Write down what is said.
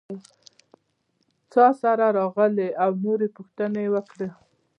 څاسره راغلې او نور پوښتنې یې وکړې.